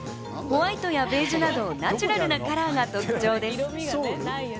ホワイトやベージュなどナチュラルなカラーが特徴です。